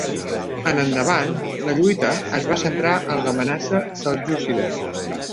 En endavant la lluita es va centrar en l'amenaça seljúcida.